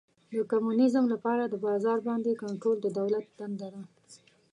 د کمونیزم لپاره د بازار باندې کنټرول د دولت دنده ده.